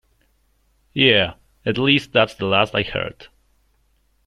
Yeah, at least that's the last I heard.